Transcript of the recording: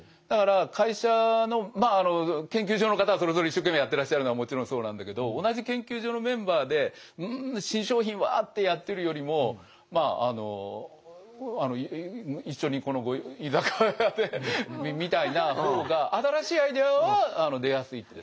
だから会社のまああの研究所の方はそれぞれ一生懸命やってらっしゃるのはもちろんそうなんだけど同じ研究所のメンバーで「ん新商品は」ってやってるよりもあの一緒にこの居酒屋でみたいな方が新しいアイデアは出やすい。